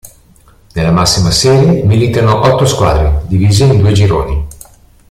Nella massima serie militano otto squadre, divise in due gironi.